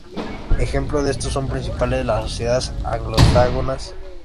Ejemplo de esto son principalmente las sociedades anglosajonas.